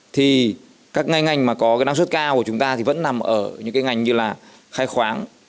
thì các ngành mà có năng suất cao của chúng ta vẫn nằm ở những ngành như khai khoáng